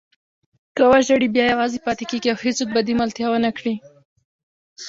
که وژاړې بیا یوازې پاتې کېږې او هېڅوک به دې ملتیا ونه کړي.